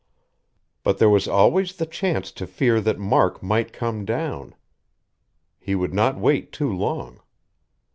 But there was always the chance to fear that Mark might come down. He could not wait too long....